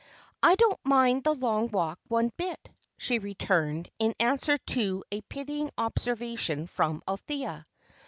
"I don't mind the long walk one bit," she returned, in answer to a pitying observation from Althea.